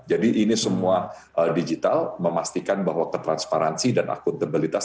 jadi ini semua digital memastikan bahwa ketransparansi dan akuntabilitas